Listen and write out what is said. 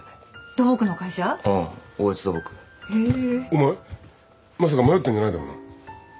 お前まさか迷ってんじゃないだろうな。